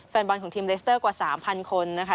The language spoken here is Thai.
แฟนบอลของทีมเลสเตอร์กว่า๓๐๐คนนะคะ